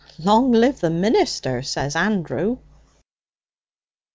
"Long live the minister!" says Andrew.'